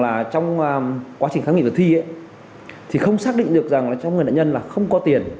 và trong quá trình kháng nghiệm trưởng thi không xác định được trong người nạn nhân là không có tiền